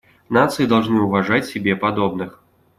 Нации должны уважать себе подобных.